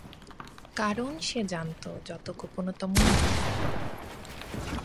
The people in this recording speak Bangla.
কারণ সে জানত যত গোপনতমই হোক না।